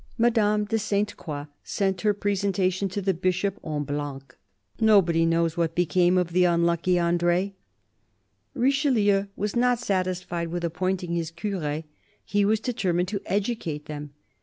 Madame de Sainte Croix sent her presentation to the Bishop en blanc. Nobody knows what became of the unlucky Andr6. Richelieu was not satisfied with appointing his cures ; he was determined to educate them.